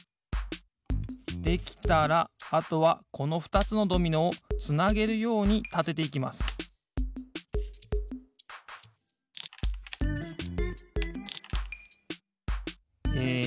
できたらあとはこのふたつのドミノをつなげるようにたてていきますえ